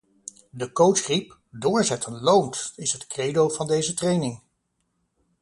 De coach riep: "'Doorzetten Loont' is het credo van deze training!"